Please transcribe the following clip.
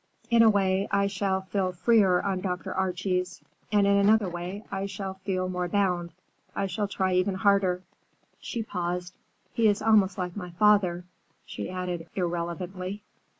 In a way I shall feel freer on Dr. Archie's, and in another way I shall feel more bound. I shall try even harder." She paused. "He is almost like my father," she added irrelevantly.